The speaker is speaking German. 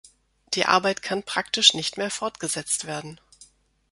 Die Arbeit kann praktisch nicht mehr fortgesetzt werden.